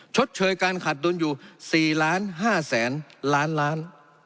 ชดเชยการขาดดุลอยู่สี่ล้านห้าแสนล้านล้าน